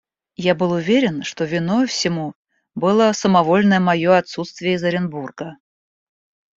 Я был уверен, что виною всему было самовольное мое отсутствие из Оренбурга.